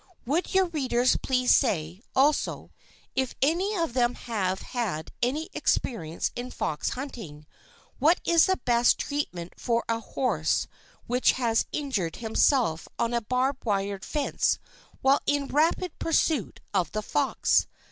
Would your readers please say, also, if any of them have had any experience in fox hunting, what is the best treatment for a horse which has injured himself on a barbed wire fence while in rapid pursuit of the fox?